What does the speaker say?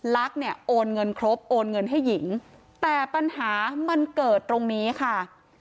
ลักษณ์เนี่ยโอนเงินครบโอนเงินให้หญิงแต่ปัญหามันเกิดตรงนี้ค่ะ